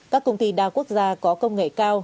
các công ty đa quốc gia có công nghệ cao